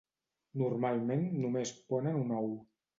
Normalment només ponen un ou.